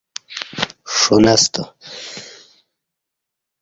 ݜُنستہ